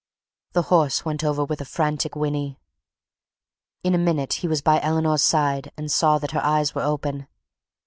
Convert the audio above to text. The horse went over with a frantic whinny. In a minute he was by Eleanor's side and saw that her eyes were open.